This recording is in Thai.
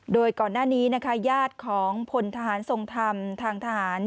โดยก่อนหน้านี้นะคะญาติของพนธนทรงทำทางถ่าน